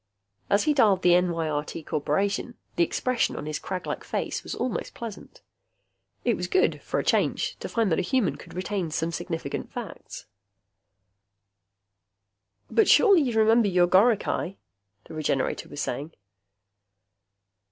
As he dialed the NYRT Corporation, the expression on his craglike face was almost pleasant. It was good, for a change, to find that a human could retain some significant facts. "But surely you remember your goricae?" the Regenerator was saying.